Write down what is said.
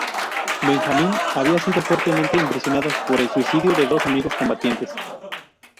Benjamin había sido fuertemente impresionado por el suicidio de dos amigos combatientes.